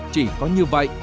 chỉ có như vậy